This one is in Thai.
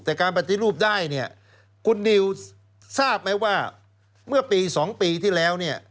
แต่การปฏิรูปได้เนี่ยคุณนิวทราบไหมว่าเมื่อปี๒ปีที่แล้วเนี่ย